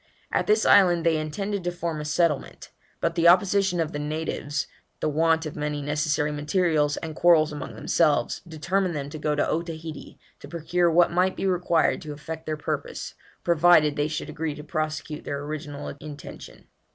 At this island they intended to form a settlement, but the opposition of the natives, the want of many necessary materials, and quarrels among themselves, determined them to go to Otaheite to procure what might be required to effect their purpose, provided they should agree to prosecute their original intention.